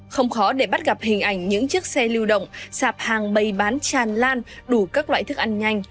không khó để bắt gặp hình ảnh những chiếc xe lưu động sạp hàng bày bán tràn lan đủ các loại thức ăn nhanh